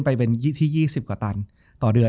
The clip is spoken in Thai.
จบการโรงแรมจบการโรงแรม